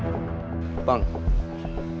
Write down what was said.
sekarang ini mereka sebenarnya kurang kita pindahin sih